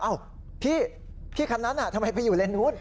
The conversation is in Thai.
พี่พี่คันนั้นทำไมไปอยู่เลนนู้น